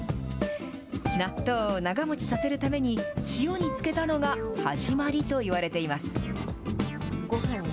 納豆を長もちさせるために塩に漬けたのが始まりといわれています。